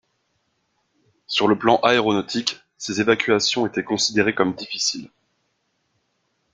Sur le plan aéronautique, ces évacuations étaient considérées comme difficiles.